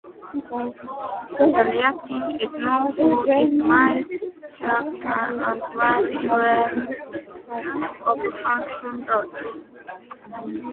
The reaction is known for its mild character and wide tolerance of functional groups.